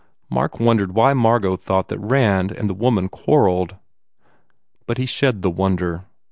Mark wondered why Margot thought that Rand and the woman quarrelled. But he shed the wonder.